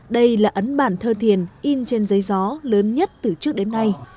đây là ấn bản thơ thiền in trên giấy gió lớn nhất từ trước đến nay